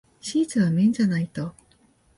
シーツは綿じゃないと。